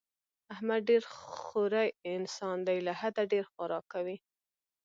احمد ډېر خوری انسان دی، له حده ډېر خوراک کوي.